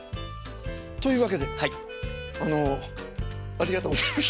というわけであのありがとうございました。